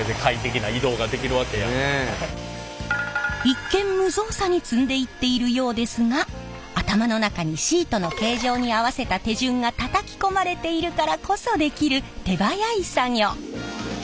一見無造作に積んでいっているようですが頭の中にシートの形状に合わせた手順がたたき込まれているからこそできる手早い作業。